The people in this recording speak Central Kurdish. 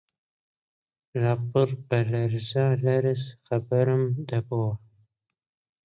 لەپڕ بە لەرزە لەرز خەبەرم دەبۆوە